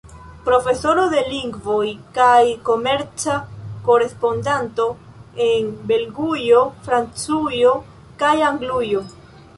Profesoro de lingvoj kaj komerca korespondanto en Belgujo, Francujo kaj Anglujo.